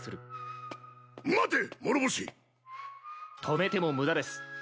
止めても無駄です。